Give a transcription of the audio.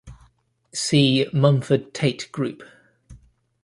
See Mumford-Tate group.